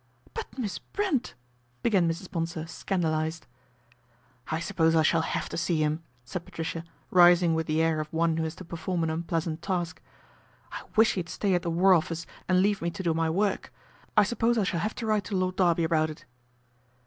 " But Miss Brent " began Mrs. Bonsor, scandalised. " I suppose I shall have to see him," said Patricia, rising with the air of one who has to perform an unpleasant task. " I wish he'd stay at the War Office and leave me to do my work. I suppose I shall have to write to Lord Derby about it."